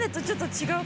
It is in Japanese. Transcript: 違う。